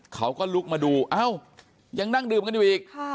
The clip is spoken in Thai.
เขาก็ลุกมาดูเอ้ายังนั่งดื่มกันอยู่อีก